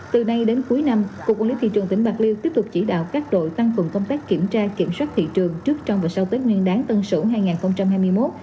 từ nay đến cuối năm cục quản lý thị trường tỉnh bạc liêu tiếp tục chỉ đạo các đội tăng cường công tác kiểm tra kiểm soát thị trường trước trong và sau tết nguyên đáng tân sửu hai nghìn hai mươi một